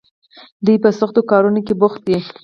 دوی په سختو کارونو کې بوخت دي.